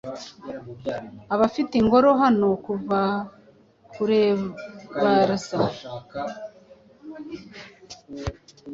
Abafite ingoro hano kuva kurebaza